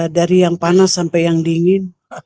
dari yang panas sampai yang dingin